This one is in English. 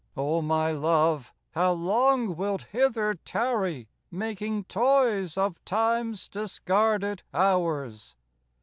O my Love, how long wilt hither tarry, Making toys of Time's discarded hours?